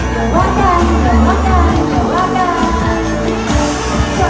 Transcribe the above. อย่าว่ากันอย่าว่ากันอย่าว่ากัน